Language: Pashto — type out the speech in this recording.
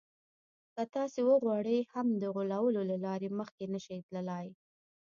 که تاسې وغواړئ هم د غولولو له لارې مخکې نه شئ تللای.